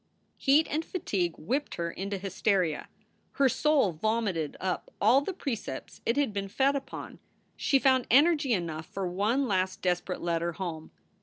Heat and fatigue whipped her into hysteria. Her soul vomited up all the precepts it had been fed upon. She found energy enough for one last desperate letter home.